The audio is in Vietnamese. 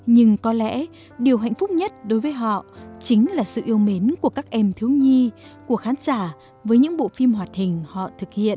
nhưng có lẽ điều hạnh phúc nhất đối với họ chính là sự yêu mến của các em thiếu nhi của khán giả với những bộ phim hoạt hình họ thực hiện